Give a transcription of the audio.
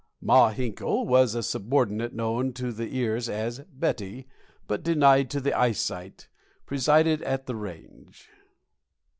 Ma Hinkle and a subordinate known to the ears as "Betty," but denied to the eyesight, presided at the range.